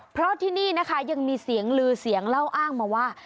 เพราะที่นี่นะคะยังมีเสียงลือเสียงเล่าอ้างมาว่า